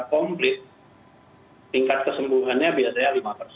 komplit tingkat kesembuhannya biasanya